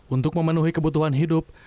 untuk memenuhi kebutuhan hidup